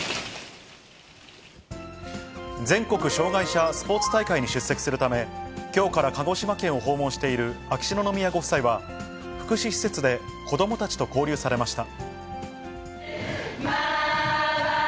全国障害者スポーツ大会に出席するため、きょうから鹿児島県を訪問している秋篠宮ご夫妻は、福祉施設で子どもたちと交流されました。